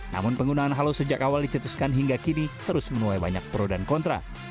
namun penggunaan halo sejak awal dicetuskan hingga kini terus menuai banyak pro dan kontra